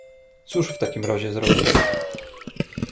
"Cóż w takim razie zrobi?"